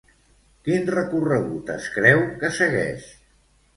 Quin recorregut es creu que segueix?